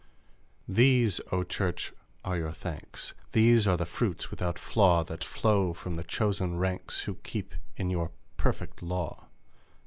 These, O Church are your thanks : These are the fruits without flaw, That flow from the chosen ranks Who keep in your perfect law